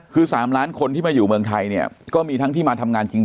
คือ๓ล้านคนที่มาอยู่เมืองไทยเนี่ยก็มีทั้งที่มาทำงานจริง